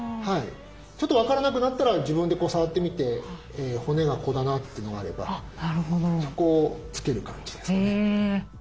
ちょっと分からなくなったら自分で触ってみて骨がここだなっていうのがあればそこをつける感じですかね。